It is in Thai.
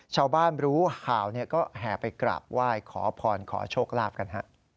ชาวบ้านรู้ข่าวก็แห่ไปกราบไหว้ขอพรขอโชคลาภกัน